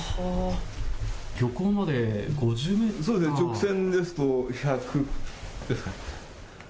漁港まで５０メートル、直線ですと１００ですかね。